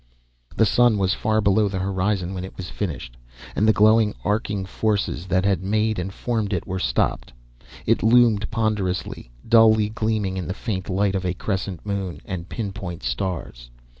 The sun was far below the horizon when it was finished, and the glowing, arcing forces that had made and formed it were stopped. It loomed ponderous, dully gleaming in the faint light of a crescent moon and pinpoint stars.